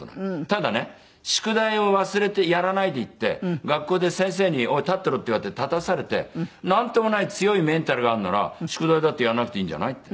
ただね宿題を忘れてやらないで行って学校で先生に「おい立ってろ」って言われて立たされてなんともない強いメンタルがあるなら宿題だってやんなくていいんじゃないって。